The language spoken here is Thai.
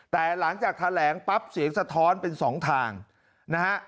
แต่หลังจากแถลงปั๊บเสียงสะท้อนเป็นสองทางนะฮะ